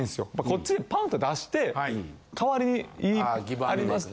こっちでパンと出して代わりにあります。